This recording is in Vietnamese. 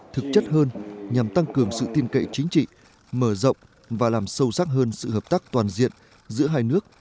thực chất hơn nhằm tăng cường sự tin cậy chính trị mở rộng và làm sâu sắc hơn sự hợp tác toàn diện giữa hai nước